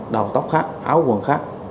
đầu tóc khác áo quần khác